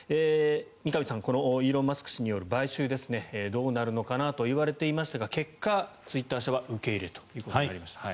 三上さん、このイーロン・マスク氏による買収どうなるのかなといわれていましたが結果、ツイッター社は受け入れるということになりました。